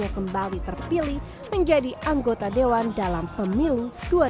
yang kembali terpilih menjadi anggota dewan dalam pemilu dua ribu dua puluh empat